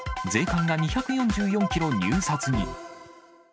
税関が２４４キロ入札に。